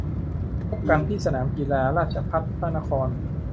พบกันที่สนามกีฬา ราชภัฏพระนคร !